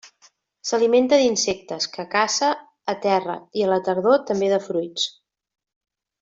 S'alimenta d'insectes que caça a terra i a la tardor també de fruits.